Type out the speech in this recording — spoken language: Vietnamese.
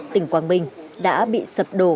tỉnh quảng bình đã bị sập đổ